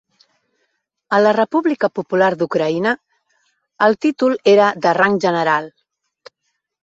A la República Popular d'Ucraïna, el títol era de rang general.